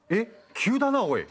急だなおい。